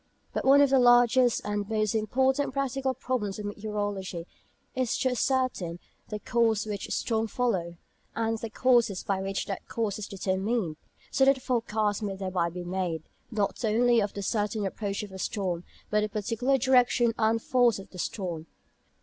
But one of the largest and most important practical problems of meteorology is to ascertain the course which storms follow, and the causes by which that course is determined, so that a forecast may thereby be made, not only of the certain approach of a storm, but the particular direction and force of the storm.